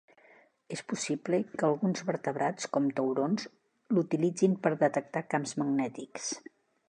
És possible que alguns vertebrats com taurons l'utilitzin per detectar camps magnètics.